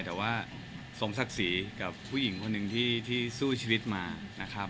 แต่ว่าสมศักดิ์ศรีกับผู้หญิงคนหนึ่งที่สู้ชีวิตมานะครับ